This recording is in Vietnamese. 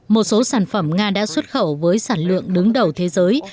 một số sản phẩm nga đã xuất khẩu với sản lượng đứng đầu thế giới